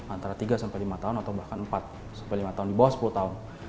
antara tiga sampai lima tahun atau bahkan empat sampai lima tahun di bawah sepuluh tahun